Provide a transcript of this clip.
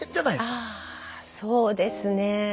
ああそうですね。